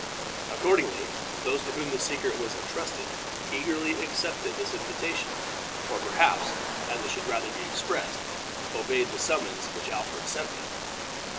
Accordingly, those to whom the secret was intrusted eagerly accepted the invitation, or, perhaps, as it should rather be expressed, obeyed the summons which Alfred sent them.